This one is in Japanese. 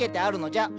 「じゃ」？